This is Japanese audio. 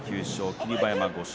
霧馬山５勝